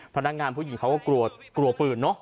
พนักงานผู้หญิงเขาก็กลัวกลัวปืนเนอะ